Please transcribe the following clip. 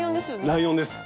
ライオンです。